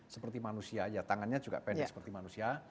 seperti manusia ya tangannya juga pendek seperti manusia